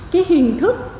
cái hình thức